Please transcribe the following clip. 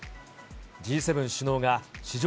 Ｇ７首脳が史上